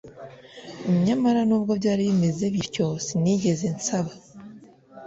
nyamara nubwo byari bimeze bityo sinigeze nsaba